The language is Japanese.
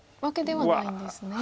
はい。